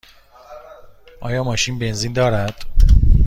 آیا ماشین بنزین دارد؟